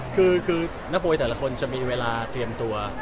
คือนักมวยแต่ละคนจะมีเวลาเตรียมตัว